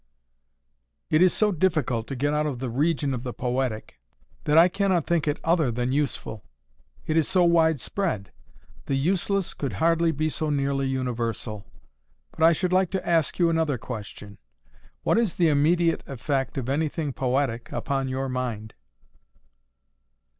"It is so difficult to get out of the region of the poetic, that I cannot think it other than useful: it is so widespread. The useless could hardly be so nearly universal. But I should like to ask you another question: What is the immediate effect of anything poetic upon your mind?"